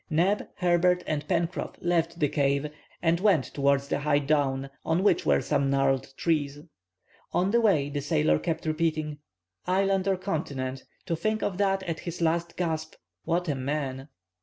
Neb, Herbert, and Pencroff left the cave and went towards a high down on which were some gnarled trees. On the way the sailor kept repeating:— "Island or continent! To think of that, at his last gasp! What a man!"